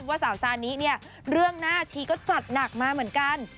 ว่าสาวซานิเนี่ยเรื่องหน้าชีก็จัดหนักมาเหมือนกัน